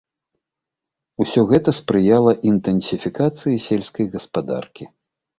Усё гэта спрыяла інтэнсіфікацыі сельскай гаспадаркі.